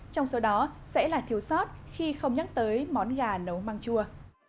trong số đó sẽ là thiếu sót khi không nhắc tới món gà nấu măng chua